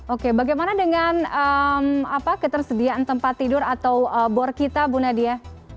oke bagaimana dengan ketersediaan tempat tidur atau bor kita bu nadia